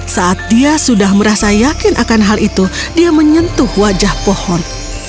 saat dia sudah merasa yakin akan hal itu dia menyentuh wajah pohon